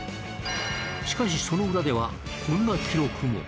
しかしその裏ではこんな記録も。